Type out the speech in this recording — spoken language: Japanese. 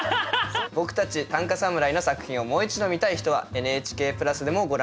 僕たち短歌侍の作品をもう一度見たい人はＮＨＫプラスでもご覧になれます。